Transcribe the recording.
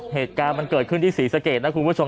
เหตุการณ์มันเกิดขึ้นที่ศรีสะเกดนะคุณผู้ชม